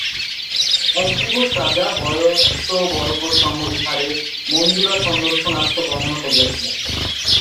এক দিবস রাজা বয়স্যবর্গসমভিব্যাহারে মন্দুরাসন্দর্শনার্থ গমন করিয়াছিলেন।